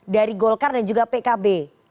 dari golkar dan juga pkb